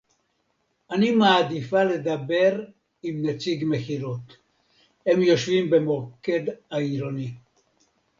אני מעדיפה לדבר עם נציג מכירות. הם יושבים במוקד העירוני